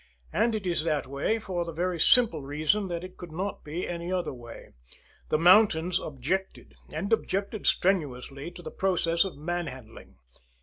And it is that way for the very simple reason that it could not be any other way. The mountains objected, and objected strenuously, to the process of manhandling.